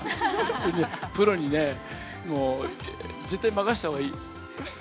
プロにね、もう絶対、任せたほうがいい。